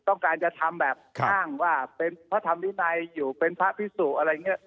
ต้องการจะทำแบบอ้างว่าเป็นพระธรรมวินัยอยู่เป็นพระพิสุอะไรอย่างนี้